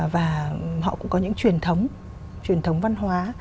và họ cũng có những truyền thống truyền thống văn hóa